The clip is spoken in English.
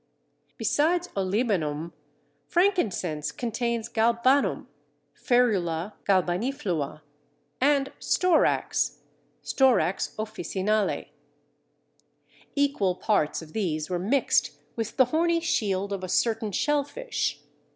Besides Olibanum, frankincense contains Galbanum (Ferula galbaniflua) and Storax (Storax officinale). Equal parts of these were mixed with the horny shield of a certain shell fish.